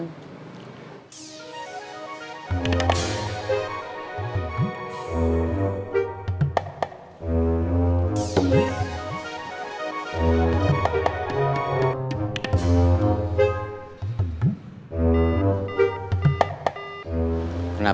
terus beri dukungan di komentar